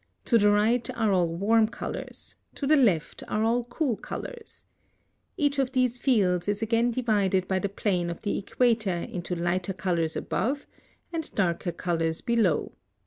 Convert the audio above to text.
To the right are all warm colors, to the left are all cool colors. Each of these fields is again divided by the plane of the equator into lighter colors above and darker colors below.